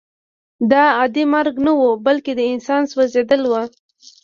دا عادي مرګ نه و بلکې د انسان سوځېدل وو